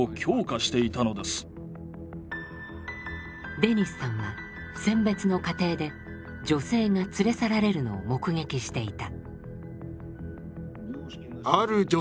デニスさんは選別の過程で女性が連れ去られるのを目撃していた。